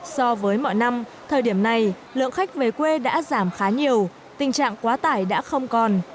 so với mọi năm thời điểm này lượng khách về quê đã giảm khá nhiều tình trạng quá tải đã không còn